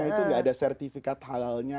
itu nggak ada sertifikat halalnya